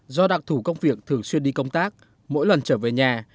do đặc thủ công việc thường xuyên đi công tác mỗi lần trở về nhà